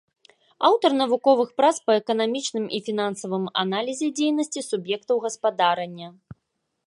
Аўтар навуковых прац па эканамічным і фінансавым аналізе дзейнасці суб'ектаў гаспадарання.